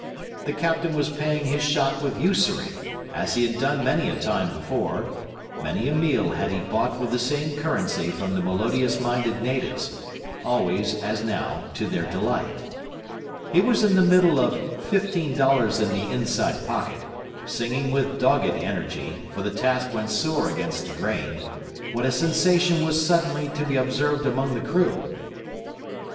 The captain was paying his shot with usury, as he had done many a time before; many a meal had he bought with the same currency from the melodious minded natives, always, as now, to their delight. He was in the middle of 'Fifteen Dollars in the Inside Pocket,' singing with dogged energy, for the task went sore against the grain, when a sensation was suddenly to be observed among the crew.